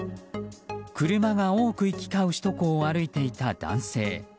車が多く行き交う首都高を歩いていた男性。